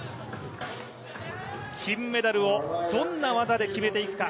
金メダルをどんな技で決めてくるか。